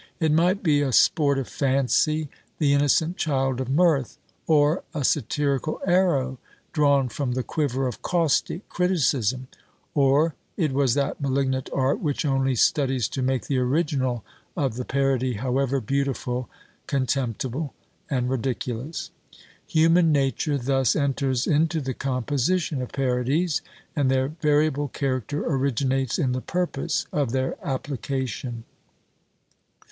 It might be a sport of fancy, the innocent child of mirth; or a satirical arrow drawn from the quiver of caustic criticism; or it was that malignant art which only studies to make the original of the parody, however beautiful, contemptible and ridiculous. Human nature thus enters into the composition of parodies, and their variable character originates in the purpose of their application.